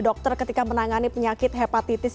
dokter ketika menangani penyakit hepatitis